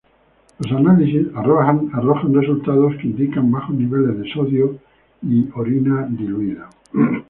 Los análisis arrojan resultados que indican bajos niveles de sodio y orina diluida.